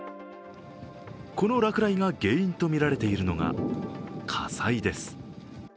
この落雷が原因と見られているのが火災です。